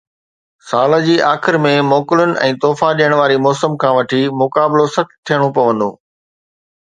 سال جي آخر ۾ موڪلن ۽ تحفا ڏيڻ واري موسم کان وٺي، مقابلو سخت ٿيڻو پوندو